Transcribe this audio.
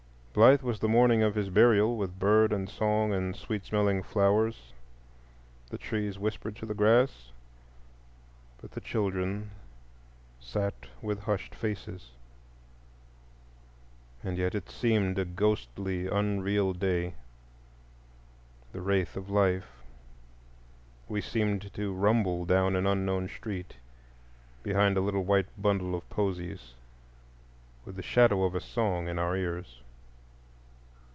Blithe was the morning of his burial, with bird and song and sweet smelling flowers. The trees whispered to the grass, but the children sat with hushed faces. And yet it seemed a ghostly unreal day,—the wraith of Life. We seemed to rumble down an unknown street behind a little white bundle of posies, with the shadow of a song in our ears.